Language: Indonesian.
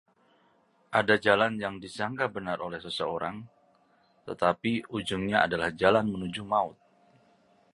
Ada jalan yang disangka benar oleh seseorang, tetapi ujungnya adalah jalan menuju maut.